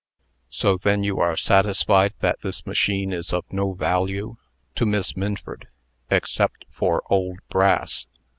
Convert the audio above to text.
"So then you are satisfied that this machine is of no value to Miss Minford except for old brass?"